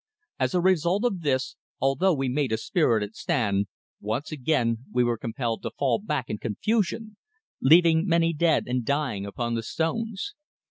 As result of this, although we made a spirited stand, once again we were compelled to fall back in confusion, leaving many dead and dying upon the stones.